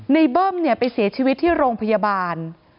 เบิ้มเนี่ยไปเสียชีวิตที่โรงพยาบาล